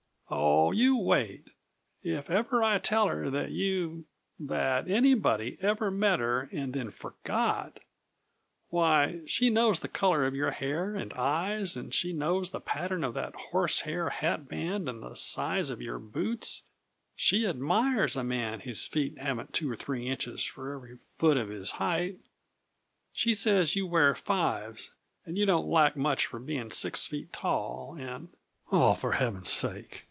"Oh, you wait! If ever I tell her that you that anybody ever met her and then forgot! Why, she knows the color of your hair and eyes, and she knows the pattern of that horsehair hat band and the size of your boots she admires a man whose feet haven't two or three inches for every foot of his height she says you wear fives, and you don't lack much of being six feet tall, and " "Oh, for Heaven's sake!"